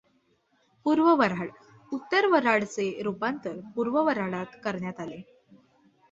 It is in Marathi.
पूर्व वऱ्हाड उत्तर वऱ्हाडचे रूपांतर पूर्व वऱ्हाडात करण्यात आले.